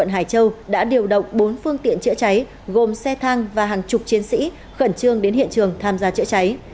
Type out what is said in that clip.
hải châu đã điều động bốn phương tiện chữa cháy gồm xe thang và hàng chục chiến sĩ khẩn trương đến hiện trường tham gia chữa cháy